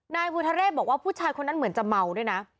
นายพุทธเรศบอกว่าผู้ชายคนนั้นเหมือนจะเมาด้วยนะ